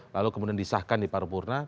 lalu kemudian disahkan di paru purnah